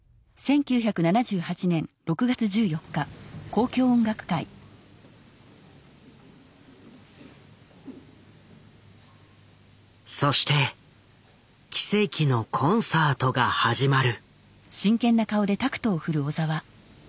小澤先生はそして奇跡のコンサートが始まる。